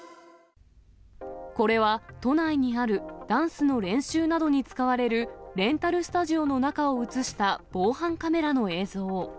これは、都内にあるダンスの練習などに使われるレンタルスタジオの中を写した防犯カメラの映像。